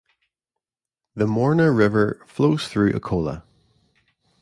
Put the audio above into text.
The Morna River flows through Akola.